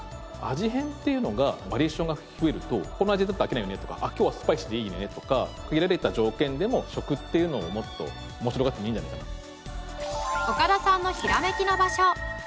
味変っていうのがバリエーションが増えると「この味だと飽きないよね」とか「今日はスパイシーでいいね」とか限られた条件でも「食」っていうのをもっと面白がってもいいんじゃないかなと。